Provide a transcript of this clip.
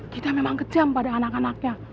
kita memang kejam pada anak anaknya